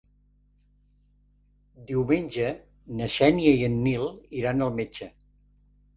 Diumenge na Xènia i en Nil iran al metge.